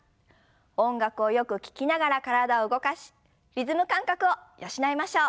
音楽をよく聞きながら体を動かしリズム感覚を養いましょう。